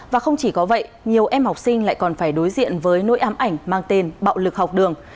và không chỉ có vậy nhiều em học sinh lại còn phải đối diện với nỗi ám ảnh mang tên bạo lực học đường